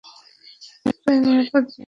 একটা নিরাপদ জায়গায়।